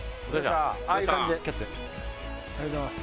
ありがとうございます。